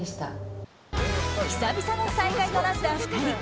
久々の再会となった２人。